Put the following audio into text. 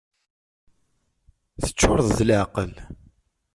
Teččureḍ d leεqel!